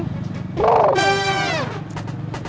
udah cekin aja mas pur